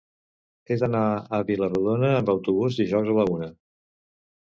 He d'anar a Vila-rodona amb autobús dijous a la una.